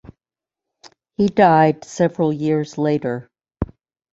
He died several years later.